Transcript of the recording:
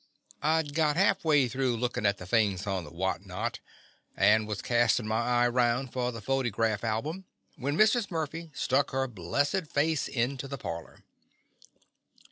I 'd got half way through lookin' at the things on the what not, and was castin' my eye round for the photygraf t album, when Mrs. Murphy stuck her blessed face into the parlor.